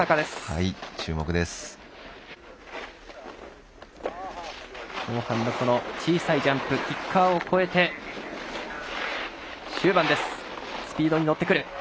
スピードに乗ってくる。